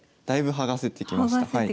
剥がせてきましたね。